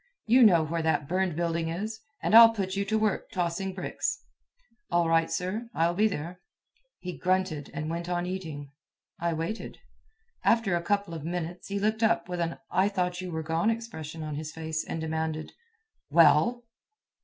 You know where that burned building is, and I'll put you to work tossing bricks." "All right, sir; I'll be there." He grunted and went on eating. I waited. After a couple of minutes he looked up with an I thought you were gone expression on his face, and demanded: "Well?"